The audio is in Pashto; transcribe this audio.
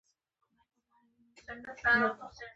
د افغانستان د شاته پاتې والي یو ستر عامل ګاونډي جګړې دي.